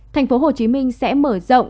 tp hcm sẽ mở rộng